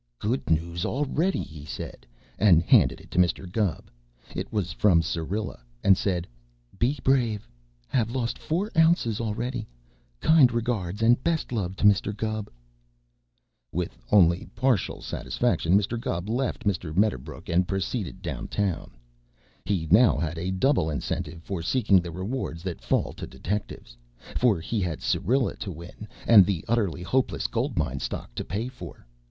"Good news already," he said and handed it to Mr. Gubb. It was from Syrilla and said: Be brave. Have lost four ounces already. Kind regards and best love to Mr. Gubb. With only partial satisfaction Mr. Gubb left Mr. Medderbrook and proceeded downtown. He now had a double incentive for seeking the rewards that fall to detectives, for he had Syrilla to win and the Utterly Hopeless Gold Mine stock to pay for.